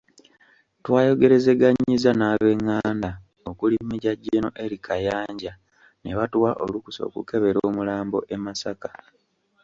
Twayogerezeganyizza n'abenganda okuli Major General Elly Kayanja ne batuwa olukusa okukebera omulambo e Masaka.